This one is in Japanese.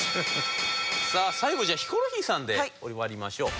さあ最後じゃあヒコロヒーさんで終わりましょう。